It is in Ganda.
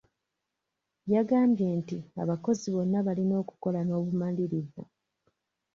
Yagambye nti abakozi bonna balina okukola n'obumalirivu.